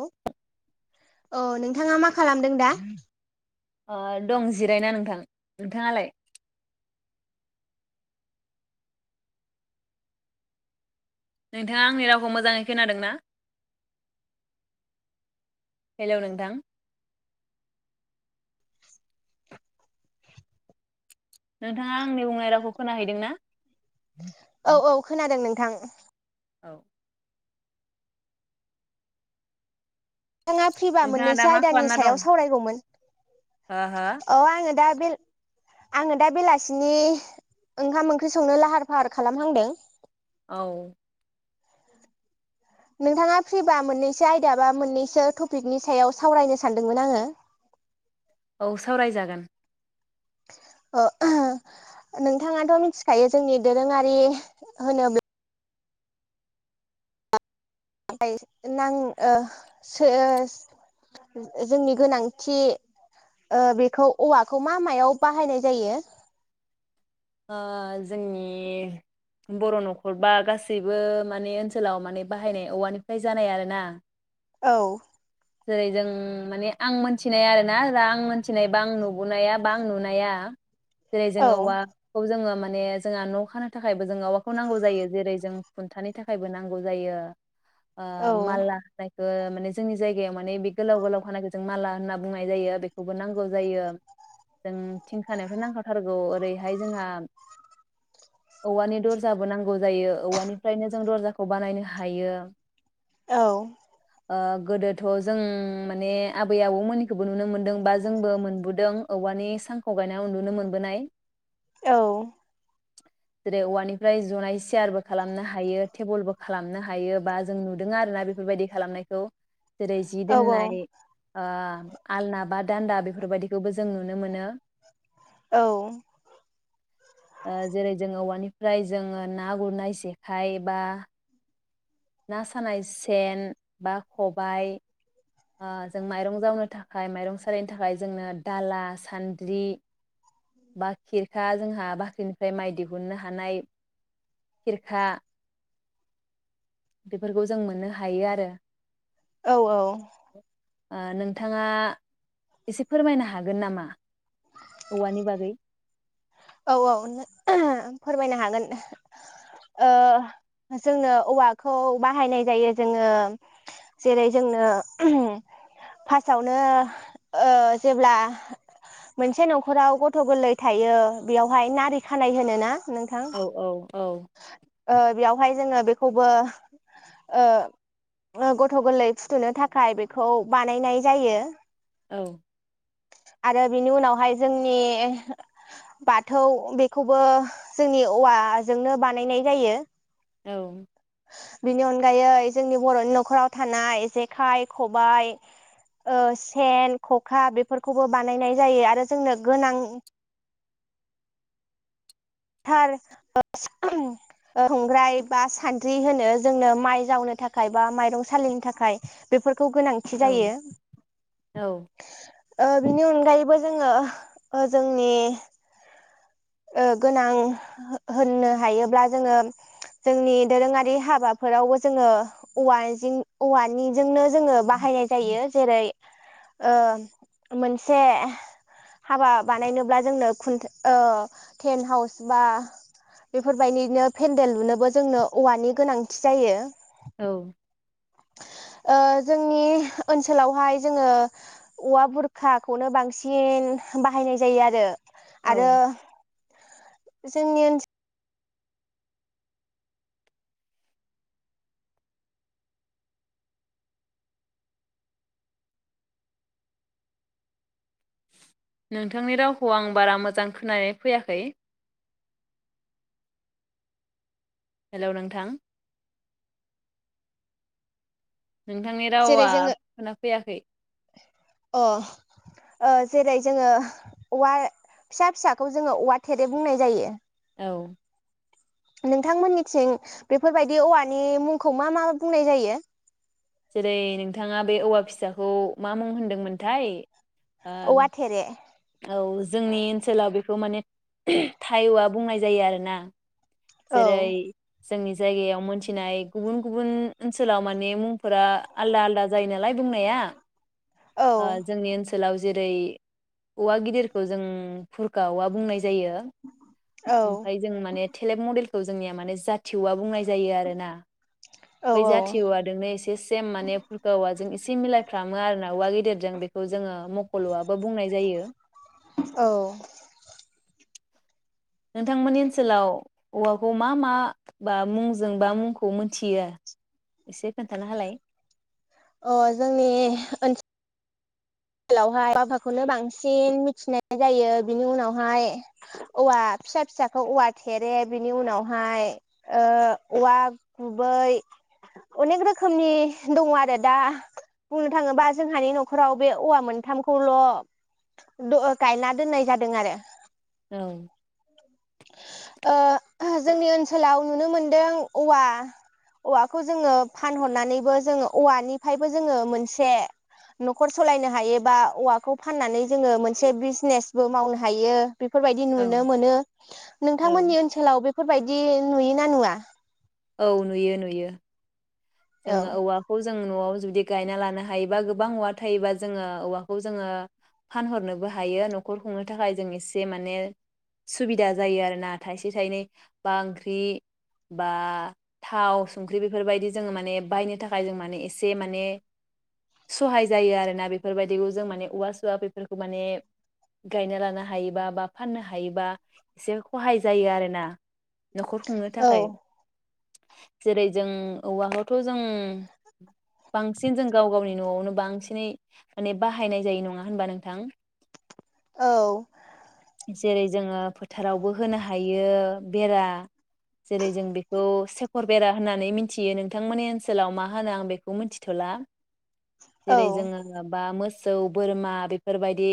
ओ-औ नोंथाङा मा खालामदों दा ओ दं जिरायना नोंथां नोंथाङालाय नोंथाङा आंनि रावखौ मोजाङै खोनादोंना हेल' नोंथां नोंथाङा आंनि बुंनाय रावखौ खोनाहैदों ना औ औ खोनादों नों थां औ नोंथाङा फ्रिबा नोंथाङा दा मोननैसो मा आयदानि खालामना सायाव दं सावरायगौमोन हो हो औ आङो दा बेल आङो दा बेलासिनि ओंखाम ओंख्रि संनो लाहार फाहार खालामहांदों औ नोंथाङा फ्रिबा मोननैसो आयदा बा मोननैसो टपिकनि सायाव सावरायनो सानदोंमोन आंङो औ सावरायजागोन ओ-ओह नोंथाङाथ मिथिखायो जोंनि दोरोङारि होनोब्ला [unintelligible] नां ओह सोहोस जोंनि गोनांथि ओ बेखौ औवाखौ मा मायाव बाहायनाय जायो ओह जोंनि बर नखर बा गासैबो माने ओनसोलाव माने बाहायनाय औवानिफ्राय जानाय आरोना औ जेरै जों माने आं मोन्थिनाय आरो ना रा आं मोन्थिनायबा आं नुबोनाया बा आं नुनाया जेरै औ जोङो औवाखौ जोङो मा माने जोंहा न' खानो थाखायबो जों औवाखौ नांगौ जायो जेरै जों खुन्थानि थाखायबो नांगौ जायो ओ औ माला होनाय ओ माने जोंनि जायगायाव माने बे गोलाव गोलाव खानायखौ जों माला होनना बुंनाय जायो बेखौबो नांगौ जायो जों थिंखानायफ्राय नांखाथारगौ ओरैहाय जोंहा औवानि दरजाबो नांगौ जायो औवानिफ्रायनो जों दरखौ बानायनो हायो, औ ओह गोदोद थ' जों माने आबै आबौमोननिखौबो नुनो मोनदों बा जोंबो मोनबोदों औवानि सांखौ गायनानै उन्दुनो मोनबोनाय। औ जेरै औवानिफ्राय जनाय चियारबो खालामनो हायो टेबोलबो खालामनो हायो बा जों नुदों आरो ना बेफोरबायदि खालामनायखौ, जेरै जि औ दोननारि ओ आलना बा दान्दा बेफोरबायदिखौबो जों नुनो मोनो औ ओ जेरै जोंङो औवानिफ्राय जोङो ना गुरनाय जेखाइ बा ना सानाय सेन बा खबाय ओ जों माइरं जावनो थाखाय माइरं सालिनो थाखाय जोंनो दाला सान्द्रि बा खिरखा जोंहा बाख्रिनिफ्राय माइ दिहुननो हानाय खिरखा बेफोरखौ जों मोननो हायो आरो। औ औ अह ओ नोंथाङा एसे फोरमायनो हागोन नामा औवानि बागै? औ औ फोरमायनो हागोन ओ जोंनो औवाखौ बाहायनाय जायो जोङो जेरै जोंनो फार्स्टआवनो ओ जेब्ला मोनसे नखराव गथ गोरलै थायो बेयावहाय नारि हानाय होनो ना? औ औ औ ओ बेयावहाय जोङो बेखौबो ओ गथ गोरलै फुथुनो थाखाय बेखौ बानायनाय जायो औ आरो बिनि उनावहाय जोंनि बाथौ बेखौबो जोंनि औवा जोंनो बानायनाय जायो। औ बेनि अनगायै जोंनि बर'नि नख'राव थानाय जेखाइ खबाइ ओ सेन खखा बेफोरखौबो बानायनाय जायो आरो जोंनो गोनां थार [inaudible] संग्राय बा सान्द्रि होनो जोंनो माइ जावनो थाखाय बा माइरं सालिनो थाखाय बेफोर गोनांथि औ जायो औ ओ बिनि अनगायैबो जोङो जोंनि ओ गोनां होननो हायोब्ला जोङो जोंनि दोरोङारि हाबाफोरावबो जोङो औवा औवानिजोंनो जोङो बाहायनाय जायो जेरै ओ मोनसे हाबा बानायनोब्ला जोंनो खुन ओ टेन्ट हाउस बा बेफोर बायदिनो पेन्देल लुनोबो जोंनो औवानि गोनांथि जायो औ ओ जोंनि ओनसोलावहाय जोङो औवा बुरखाखौनो बांसिन बाहायनाय जायो आरो। आरो औ जोंनि ओन नोंथांनि रावखौ आं बारा मोजां खोनानानै फैयाखै हेल नोंथां नोंथांनि जेरै रावा जोङो खोना फैयाखै अ जेरै जोङो औवा फिसा फिसाखौ जोङो औवा थेरेब बुंनाय जायो औ नोंथांमोननिथिं बेफोर बायदि औवानि मुंखौ मा मा बुंनाय जायो? जेरै नोंथाङा बे औवा फिसाखौ मा मुं होनदोंमोनथाय? ओ औवा थेरे औ जोंनि ओनसोलाव बेखौ माने थाय औवा बुंनाय जायो आरो ना औ जेरै जोंनि जायगायाव मोनथिनाय गुबुन गुबुन ओनसोलाव माने मुंफोरा आलदा आलदा जायो नालायनाय बुंनाया औ जोंनि ओनसोल ओनसोलाव जेरै औवा गिदिरखौ जों फुरखा औवा बुंनाय जायो जायो औ ओमफ्राय जों माने थेलेब मडेल जोंनिया माने जाथिवा बुंनाय जा जायो आरोना औ बै जाथि औवा जोंनो एसे सेम माने फुरखा औवाजों - सि मिलायफ्रामो आरोना औवा गेदेरजों बेखौ जोङो मखल औवाबो बुंनाय जायो। औ नोंथांमोननि ओनसोलाव औवाखौ मा मा बा मुंजों बा मुंखौ मोनथियो एसे खोन्थाना होलाय। अ जोंनि ओनसो आथिखालावहाय औवा [unintelligible] खौनो बांसिन मिथिनाय जायो बिनि उनावहाय औवा फिसा फिसाखौ औवा थेरे बिनि उनावहाय ओ औवा गुबै अनेक रोखोमनि दङ आरो दा बुंनो थाङोबा जोंहानि नखराव बे औवा मोनथामखौल द गायना दोननाय जादों आरो। औ ओ ओह जोंनि ओनसोलाव नुनो मोनदों औवा औवाखौ जोङो फानहरनानैबो जोङो औवानिफायबो जोङो मोनसे न'खर सलायनो हायो बा औवाखौ फाननानै जोङो मोनसे बिजनेसबो मावनो हायो। बेफोरबायदि नुनो मोनो। औ नोंथांमोननि ओनसोलाव बेफोरबायदि नुयो ना नुवा औ नुयो नुयो औ जोंङो औवाखौ जों नआव जुदि गायना लानो हायोबा गोबां औवा थायोबा जोङो औवाखौ जोङो फानहरनोबो हायो नखर खुंनो थाखाय जों एसे माने सुबिदा जायो आरोना थाइसे थाइनै बा ओंख्रि बा थाव संख्रि बेफोरबायदि जोङो माने बायनो थाखाय जों माने एसे माने सहाय जायो आरोना बेफोरबायदिखौ जों माने औवा सुवा बेफोरखौ माने गायना लानो हायोबा बा फाननो हायोबा एसे हहाय जायो आरोना। नखर खुंनो औ थाखाय जेरै जों औवा खौथ जों बांसिन जों गाव गावनि न'आवनो बांसिनै माने बाहायनाय जायो नंङा होनबा नोंथां? औ जेरै जोङो फोथारावबो होनो हायो बेरा जेरै जों बेखौ सेकर बेरा होननानै मि मिथियो नोंथांमोननि ओनसोलाव मा होनो आं बेखौ मिथिथला औ जेरै जोंङो बा मोस सौ बोरमा बेफोरबायदि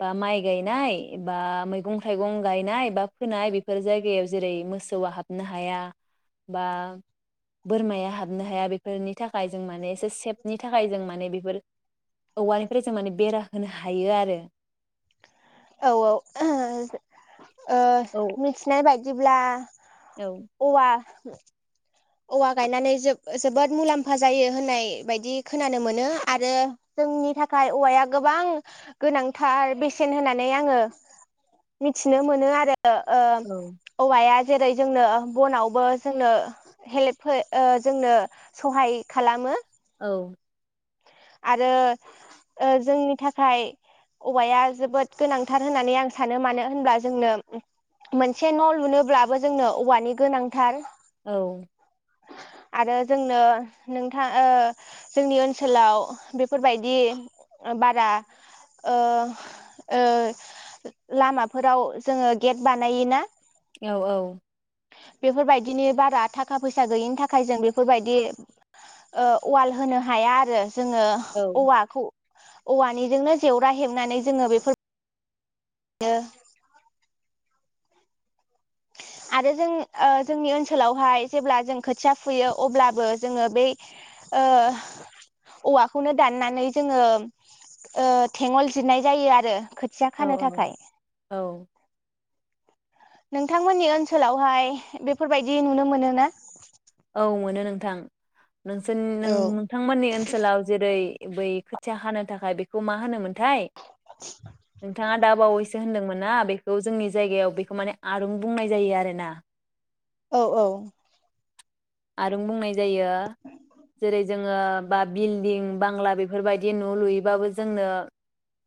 बा माइ गायनाय बा मैगं थाइगं गायनाय बा फोनाय बेफोर जायगायाव जेरै मोसौआ हाबनो हाया बा बोरमाया हाबनो हाया बेफोरनि थाखाय जों माने एसे सेफनि थाखाय जों माने बेफोर औवानिफ्राय जों माने बेरा होनो हायो आरो। औ औे ओ औ मिथिनाय बाय जेब्ला औ औवा हो औवा गायनानै जोब जोबोद मुलाम्फा जायो होननाय बायदि खोनानो मोनो आरो जोंनि थाखाय औवाया गोबां गोनांथार बेसेन होननानै आंङो मिथिनो मोनो आरो। ओ ओ औ औवाया जेरै जोंनो बनावबो जोंनो हेल्प हो ओ जोंनो सहाय खालामो। औ औ आरो ओ जोंनि थाखाय औवाया जोबोद गोनांथार होननानै आं सानो मानो होनब्ला जोंनो मोनसे न' लुनोब्लाबो जोंनो औवानि गोनांथार। औ आरो जोंनो नोंथाङ ओ जोंनि ओनसोलाव बेफोरबायदि बारा ओ ओ लामाफोराव जोङो गेट बानायोना औ औ बेफोरबायदिनो बारा थाखा फैसा गैयिनि थाखाय जों बेफोरबायदि ओ वाल होनो हाया आरो जोंङो औ औवाखौ औवानिजोंनो जेवरा हेबनानै जोङो बेफोर बियो आरो जों ओ जोंनि ओनसोलावहाय जेब्ला जों खोथिया फुयो अब्लाबो जोङो बे औ औवाखौनो दाननानै जोङो ओ थेङल जिदनाय जायो आरो खोथिया खानो औ थाखाय औ नोंथांमोननि ओनसोलावहाय बेफोरबायदि नुनो मोनो ना? औ मोनो नोंथां नोंसोर नों औ नोंथांमोननि ओनसोलाव जेरै बै खोथिया हानो थाखाय बेखौ मा होनोमोन थाय नोंथाङा दा बावैसो होन्दोंमोन ना बेखौ जोंनि जायगायाव बेखौ माने आरुं बुंनाय जायो आरोना। औ औ आरुं बुंनाय जायो जेरै जोङो बा बिल्डिं बांला बेफोरबायदि न लुयोबाबो जोंनो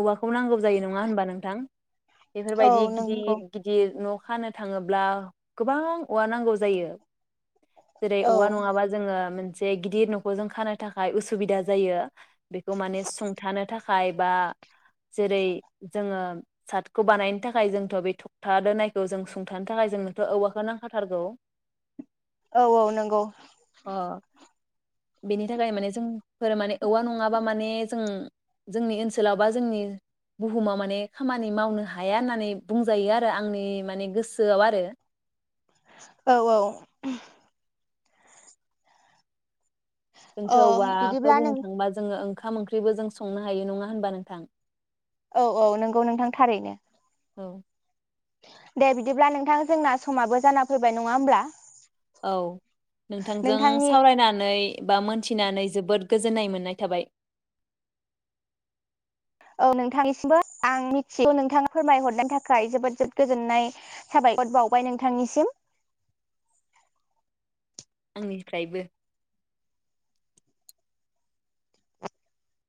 औवा खौबौ नांगौ जायो नङा होनबा नोंथां औ बेफोरबायदि गिदिर नंगौ गिदिर न' खानो थाङोब्ला गोबां औवा नांगौ जायो। जेरै औ औवा नङाबा जोङो मोन से गिदिर नखौ जों खानो थाखाय उसुबिदा जायो बेखौ माने सुंथानो थाखाय थाखाय बा जेरै जोङो सातखौ बानायनो थाखाय जोंथ' बे थखथा दोनायखौ जों सुंथानो थाखाय जोंनोथ' औवाखौ नांखाथारगौ। औ औ नंगौ अ बेनि थाखाय माने जोंफोर माने औवा नङाबा माने जों जोंनि ओनसोलाव बा जोंनि बुहुमाव माने खामानि मावनो हाया होननानै बुंजायो आरो आंनि माने गोसोआव आरो औ औ। जोंथ अ औवाखौ बिदिब्ला बुंनो नों थाङोबा जोङो ओं ओंखाम ओंख्रिबो जों संनो हायो नङा होनबा नोंथां। औ औ नंगौ नोंथां थारैनो। औ दे बिदिब्ला नोंथां जोंना समाबो जाना फैबाय नङा होमब्ला। औ नोंथांजों नोंथांनि सावरायनानै बा मोनथिनानै जोबोद गोजोननाय मोननाय थाबाय। औ नोंथांनिसिमबो आं मिथिगो नोंथाङा फोरमायहरनाय थाखाय जोबोद जोबोद गोजोननाय थाबाय साबायखर बावबाय नोंथांनिसिम आंनिफ्रायबो